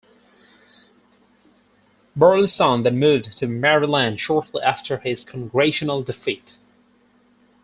Burlison then moved to Maryland shortly after his congressional defeat.